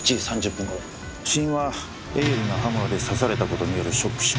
死因は鋭利な刃物で刺された事によるショック死。